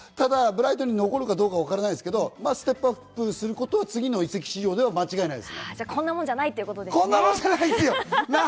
ただブライトンに残るかどうかわからないですけど、ステップアップすることは次の移籍市場で間違いないです。